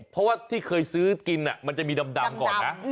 เพราะว่าที่เคยซื้อกินมันจะมีดำก่อนนะ